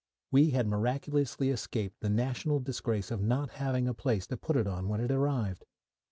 We had miraculously escaped the national disgrace of not having a place to put it on when it arrived.